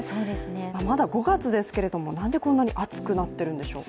まだ５月ですけれどもなんでこんなに暑くなってるんでしょう？